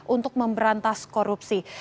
untuk memberantas korupsi